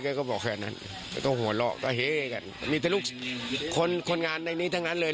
ญาณเป็นวาวออกมาเลย